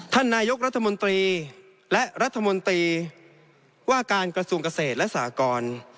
ท่านนายกรัฐมนตรีและรัฐมนตรีว่าการกระทรวงเกษตรและสากร